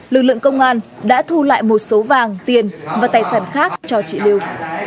lực lượng công an đã thu lại một số vàng tiền và tài sản khác cho chị lưu